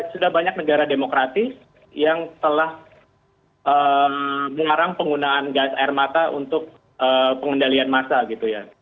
sudah banyak negara demokratis yang telah melarang penggunaan gas air mata untuk pengendalian massa gitu ya